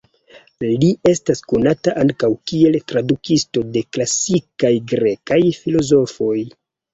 Li estas konata ankaŭ kiel tradukisto de klasikaj grekaj filozofoj.